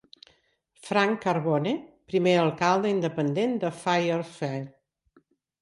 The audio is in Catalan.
Frank Carbone, primer alcalde independent de Fairfield.